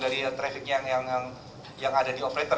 dari traffic yang ada di operator